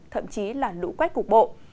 thậm chí là lũ quét cục bộ